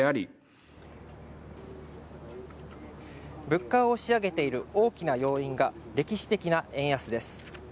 物価を押し上げている大きな要因が歴史的な円安です